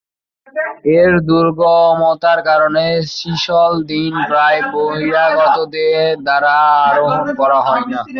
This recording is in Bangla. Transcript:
এর দুর্গমতার কারণে শিশলদিন প্রায়ই বহিরাগতদের দ্বারা আরোহণ করা হয় না।